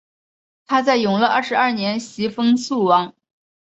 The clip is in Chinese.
他在永乐二十二年袭封肃王。